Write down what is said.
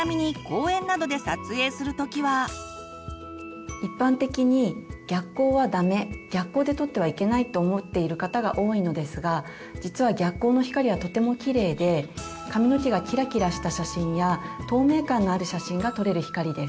ちなみに一般的に逆光はダメ逆光で撮ってはいけないと思っている方が多いのですが実は逆光の光はとてもきれいで髪の毛がキラキラした写真や透明感のある写真が撮れる光です。